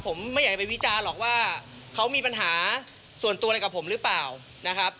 ผมไม่อยากไปวิจารณ์หรอกว่าเขามีปัญหาส่วนตัวอะไรกับผมหรือเปล่านะครับ